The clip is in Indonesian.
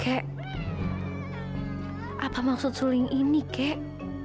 keh apa maksud suling ini keh